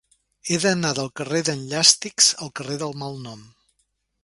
He d'anar del carrer d'en Llàstics al carrer del Malnom.